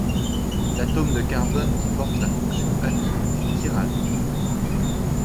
L'atome de carbone qui porte la fonction amine est chiral.